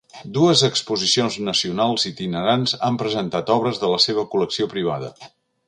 Dues exposicions nacionals itinerants han presentat obres de la seva col·lecció privada.